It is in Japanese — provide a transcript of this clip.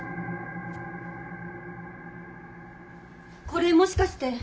これもしかして。